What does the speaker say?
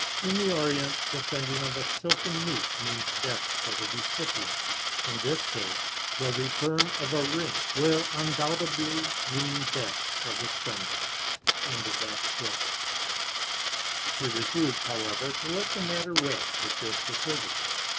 "In the orient, the sending of a silken noose means death for the recipient; in this case, the return of a ring will undoubtedly mean death for the sender." She refused, however, to let the matter rest with this deci sion.